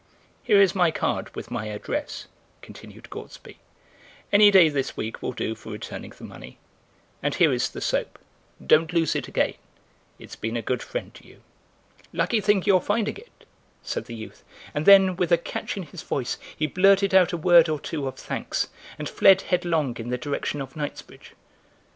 "Here is my card with my address," continued Gortsby; "any day this week will do for returning the money, and here is the soap—don't lose it again it's been a good friend to you." "Lucky thing your finding it," said the youth, and then, with a catch in his voice, he blurted out a word or two of thanks and fled headlong in the direction of Knightsbridge.